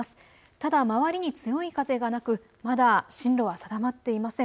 ただ周りに強い風がなく、まだ進路は定まっていません。